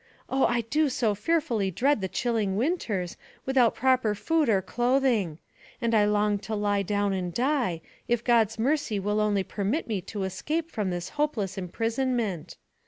Oh! I do so fearfully dread ?itye chilling winters, without proper food or clothing; and I long to lie down and die, if God's mercy will only permit me to escape from this hope less imprisonment.